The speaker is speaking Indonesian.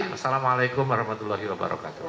wassalamu'alaikum warahmatullahi wabarakatuh